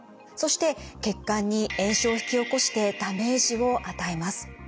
そして血管に炎症を引き起こしてダメージを与えます。